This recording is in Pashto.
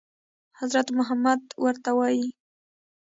حضرت محمد ورته وايي.